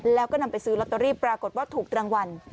แล้วก็นำไปซื้อลอตเตอรี่ปรากฏว่าถูกรางวัล